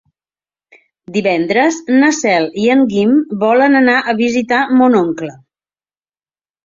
Divendres na Cel i en Guim volen anar a visitar mon oncle.